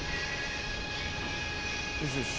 よしよし。